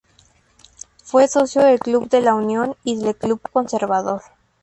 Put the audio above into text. Fue socio del Club de La Unión y del Club Conservador.